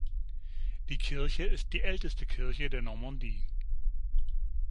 Die Kirche ist die älteste Kirche der Normandie.